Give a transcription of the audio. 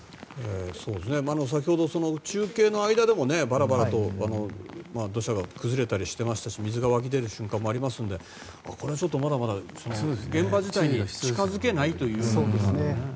先ほど、中継の間でもバラバラと土砂が崩れたりしてましたし水が湧き出る瞬間もありましたのでこれは、まだまだ現場自体に近づけないと。